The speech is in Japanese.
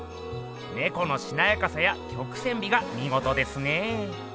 ネコのしなやかさや曲線美がみごとですね。